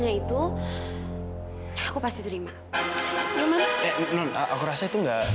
yaudah yuk lah pulang